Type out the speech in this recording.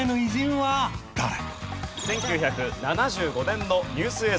１９７５年のニュース映像です。